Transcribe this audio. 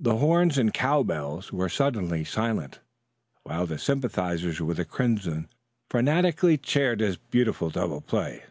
The horns and cowbells were suddenly silent, while the sympathizers with the crimson frantically cheered this beautiful double play.